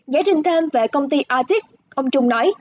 giải trình thêm về công ty ortic ông trung nói